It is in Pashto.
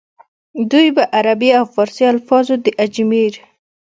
دوي به عربي او فارسي الفاظ د اجمېر